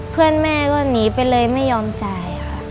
เพื่อนแม่ก็หนีไปเลยไม่ยอมจ่ายค่ะ